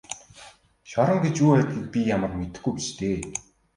Шорон гэж юу байдгийг би ямар мэдэхгүй биш дээ.